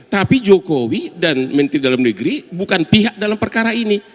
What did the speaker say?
tapi jokowi dan menteri dalam negeri bukan pihak dalam perkara ini